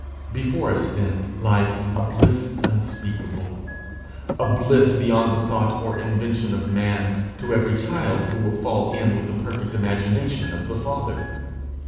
Before us, then, lies a bliss unspeakable, a bliss beyond the thought or invention of man, to every child who will fall in with the perfect imagination of the Father.